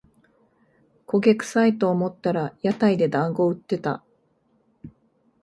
焦げくさいと思ったら屋台でだんご売ってた